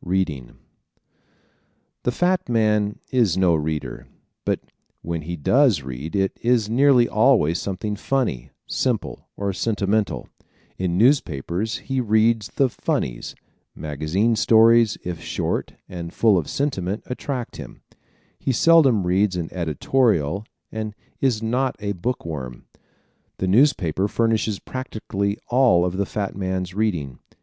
Reading ¶ The fat man is no reader but when he does read it is nearly always something funny, simple or sentimental. In newspapers he reads the "funnies." Magazine stories, if short and full of sentiment, attract him. He seldom reads an editorial and is not a book worm. The newspaper furnishes practically all of the fat man's reading.